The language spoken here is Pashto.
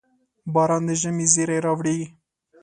• باران د ژمي زېری راوړي.